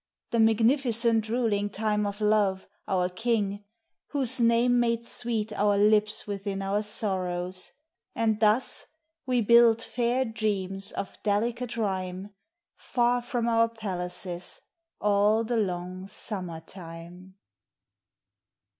The magnificent ruling time of love, our King, Whose name made sweet our lips within our sorrows ; And thus we built fair dreams of delicate rhyme, Far from our palaces, all the long summer time.